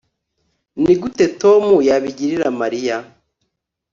Nigute Tom yabigirira Mariya